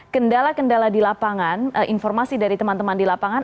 kendala kendala di lapangan informasi dari teman teman di lapangan